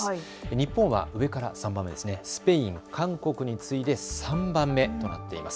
日本は上から３番目、スペイン、韓国に次いで３番目となっています。